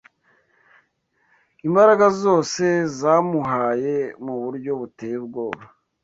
Imbaraga zose zamuhaye muburyo buteye ubwoba